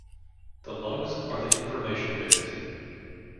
The lugs are the information bits.